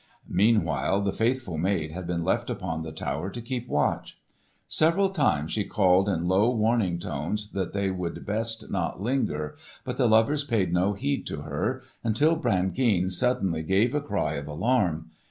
Meanwhile the faithful maid had been left upon the tower to keep watch. Several times she called in low warning tones that they would best not linger, but the lovers paid no heed to her, until Brangeane suddenly gave a cry of alarm.